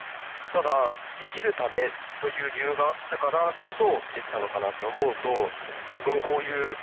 ただ生きるためという理由があったからこそできたのかなって思うと僕もこういう行動しちゃうかなって思いました。